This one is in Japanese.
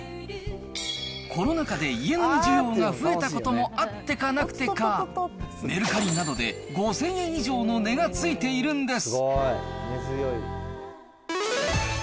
コロナ禍で家飲み需要が増えたこともあってかなくてか、メルカリなどで５０００円以上の値が付いているんです。